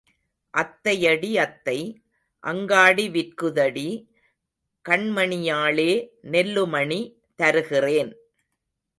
அத்தையடி அத்தை, அங்காடி விற்குதடி, கண்மணியாளே நெல்லுமணி தருகிறேன்.